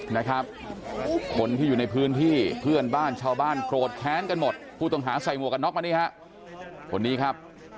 นะครับคนที่อยู่ในพื้นที่เพื่อนบ้านชาวบ้านโกรธแค้นกันหมดผู้ต้องหาใส่หมวกกันน็อกมานี่ฮะคนนี้ครับ